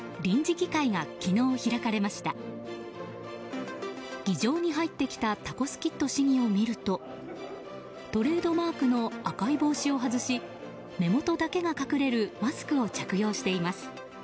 議場に入ってきたタコスキッド市議を見るとトレードマークの赤い帽子を外し目元だけが隠れるマスクを着用しています。